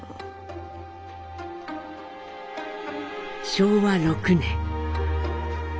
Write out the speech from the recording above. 昭和６年。